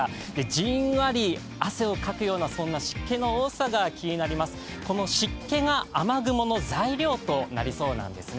じんわり汗をかくようなそんな湿気の多さが気になります、この湿気が雨雲の材料となりそうなんです。